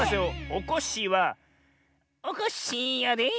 おこっしぃは「おこっしぃやで」。